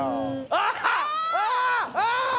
あ！あ！」